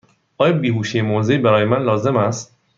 آیا بیهوشی موضعی برای من لازم است؟